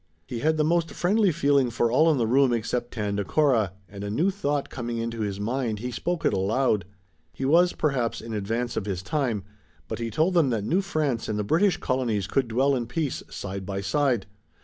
He had the most friendly feeling for all in the room except Tandakora, and a new thought coming into his mind he spoke it aloud. He was, perhaps, in advance of his time, but he told them that New France and the British colonies could dwell in peace, side by side.